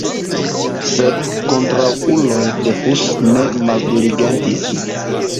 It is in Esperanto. Sed kontraŭuloj de Hus ne maldiligentis.